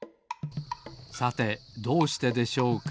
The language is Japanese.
さてどうしてでしょうか？